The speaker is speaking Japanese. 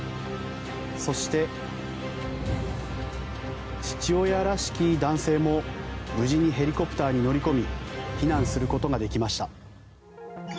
そして父親らしき男性も無事、ヘリコプターに乗り込み避難することができました。